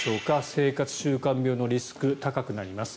生活習慣病のリスクが高くなります。